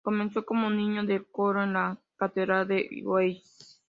Comenzó como niño de coro en la Catedral de Wells.